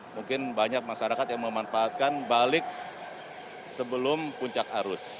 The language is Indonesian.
mungkin banyak masyarakat yang memanfaatkan balik sebelum puncak arus